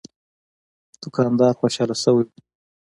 دوکاندار خوشاله شوی و.